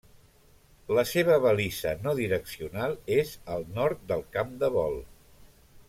La seva balisa no direccional és al nord del camp de vol.